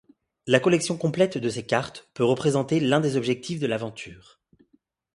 La collection complète de ces cartes peut représenter l'un des objectifs de l'aventure.